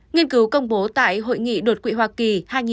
nghiên cứu công bố tại hội nghị đột quỵ hoa kỳ